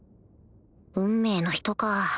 運命の人か